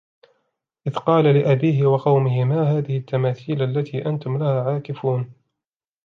إذ قال لأبيه وقومه ما هذه التماثيل التي أنتم لها عاكفون